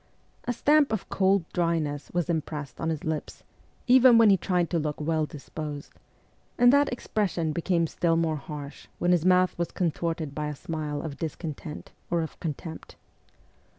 A stamp of cold dryness was impressed on his lips, even when he tried to look well disposed, and that expression became still more harsh when his mouth was contorted by a smile of discontent or of contempt.